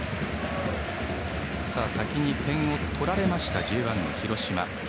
先に点を取られたＪ１の広島。